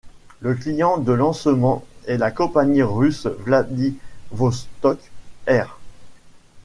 Le client de lancement est la compagnie russe Vladivostok Air.